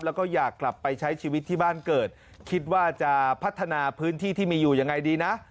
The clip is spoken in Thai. แล้วก็อยากกลับไปใช้ชีวิตที่บ้านเกิดคิดว่าจะพัฒนาพื้นที่ที่มีอยู่ยังไงดีนะ